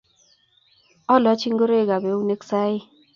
Alachi ngoroikab eunek sai